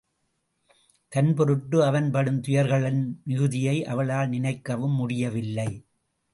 தன்பொருட்டு அவன் படும் துயர்களின் மிகுதியை அவளால் நினைக்கவும் முடியவில்லை.